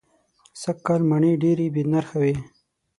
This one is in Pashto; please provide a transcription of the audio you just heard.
سږ کال مڼې دېرې بې نرخه وې.